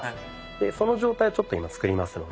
でその状態をちょっと今作りますので。